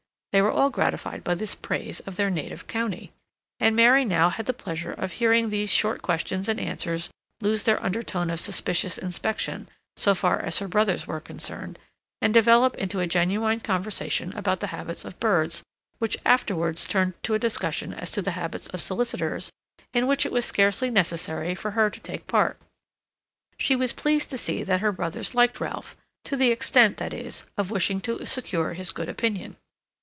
They were all gratified by this praise of their native county; and Mary now had the pleasure of hearing these short questions and answers lose their undertone of suspicious inspection, so far as her brothers were concerned, and develop into a genuine conversation about the habits of birds which afterwards turned to a discussion as to the habits of solicitors, in which it was scarcely necessary for her to take part. She was pleased to see that her brothers liked Ralph, to the extent, that is, of wishing to secure his good opinion.